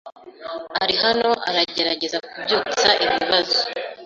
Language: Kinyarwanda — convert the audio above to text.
Ari hano aragerageza kubyutsa ibibazo.